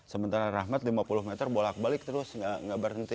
sementara rahmat lima puluh meter bolak balik terus nggak berhenti